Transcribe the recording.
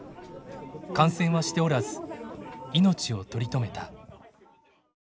感染はしておらず命を取り留めた。